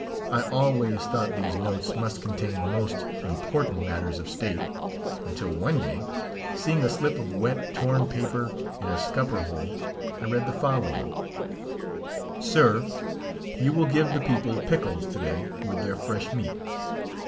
I always thought these notes must contain most important matters of state; until one day, seeing a slip of wet, torn paper in a scupper hole, I read the following: "Sir, you will give the people pickles to day with their fresh meat.